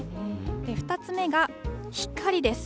２つ目が光です。